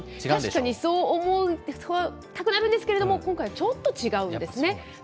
確かにそう思いたくなるんですけれども、今回、ちょっと違うんですね。